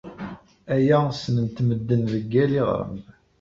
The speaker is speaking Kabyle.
Aya ssnen-t medden deg yal iɣrem.